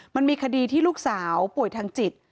มันมีคดีที่ลูกสาวป่วยทางจิต